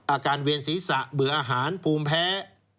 เวียนศีรษะเบื่ออาหารภูมิแพ้